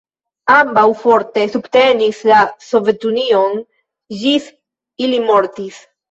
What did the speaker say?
Ambaŭ forte subtenis la Sovetunion, ĝis ili mortis.